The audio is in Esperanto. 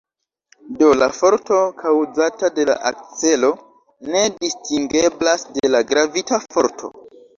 Do la forto kaŭzata de la akcelo ne distingeblas de la gravita forto.